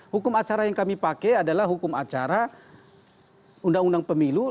hukum acara yang kami pakai adalah hukum acara undang undang pemilu